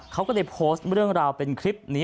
เขาก็เลยโพสต์เรื่องราวเป็นคลิปนี้